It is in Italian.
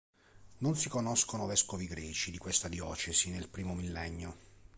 Non si conoscono vescovi greci di questa diocesi nel primo millennio.